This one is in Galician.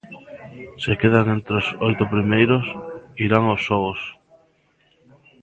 Se quedan entre os oito primeiros, irán aos xogos.